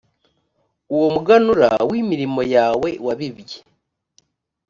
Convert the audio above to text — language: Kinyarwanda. uwomuganura w imirimo yawe wabibye